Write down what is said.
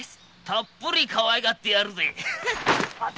たっぷりかわいがってやるぜ！